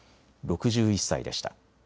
６１歳でした。